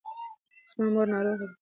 زما مور ناروغه ده.